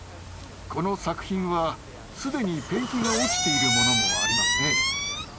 この作品は既にペンキが落ちているものもありますね。